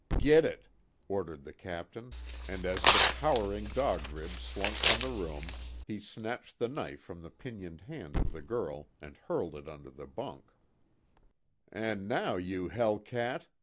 "Git it!" ordered the Captain, and as the cowering Dog Rib slunk from the room, he snatched the knife from the pinioned hand of the girl and hurled it under the bunk: "An', now you hell cat!"